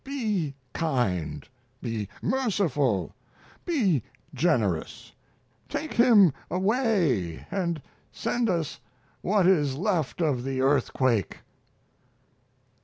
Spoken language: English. Be kind, be merciful, be generous; take him away and send us what is left of the earthquake."